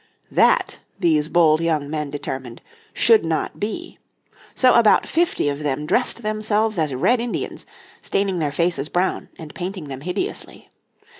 That, these bold young men determined, should not be. So about fifty of them dressed themselves as Red Indians, staining their faces brown and painting them hideously.